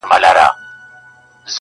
زه هم دعاوي هر ماښام كومه~